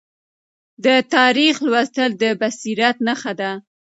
د تاریخ لوستل د بصیرت نښه ده.